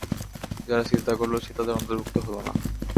যারা সিজদা করল, সে তাদের অন্তর্ভুক্ত হলো না।